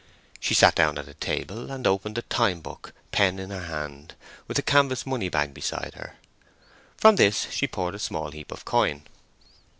She sat down at a table and opened the time book, pen in her hand, with a canvas money bag beside her. From this she poured a small heap of coin.